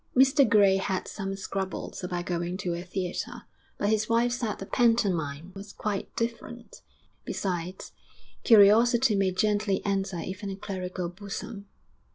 Mr Gray had some scruples about going to a theatre, but his wife said a pantomime was quite different; besides, curiosity may gently enter even a clerical bosom.